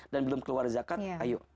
dan belum keluar zakat ayo